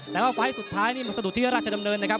แต่ว่าไฟล์ทสุดท้ายนี่ลักษณะสนุทธิรรภ์ราชดำเนินนะครับ